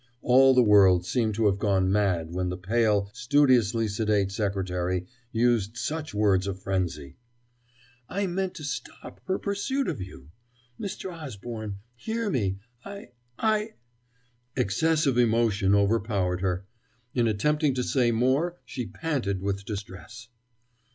All the world seemed to have gone mad when the pale, studiously sedate secretary used such words of frenzy. "I meant to stop her pursuit of you.... Mr. Osborne hear me I I...." Excessive emotion overpowered her. In attempting to say more she panted with distress.